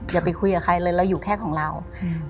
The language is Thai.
อย่าไปคุยกับใครเลยเราอยู่แค่ของเราอืม